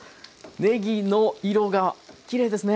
ねぎの色がきれいですね。